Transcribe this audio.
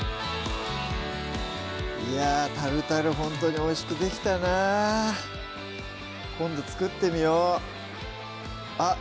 いやぁタルタルほんとにおいしくできたな今度作ってみようあっ